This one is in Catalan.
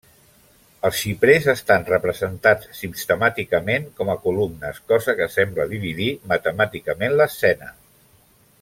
Els xiprers estan representats sistemàticament com a columnes, cosa que sembla dividir matemàticament l'escena.